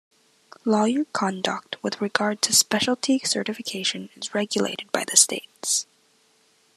Lawyer conduct with regard to specialty certification is regulated by the states.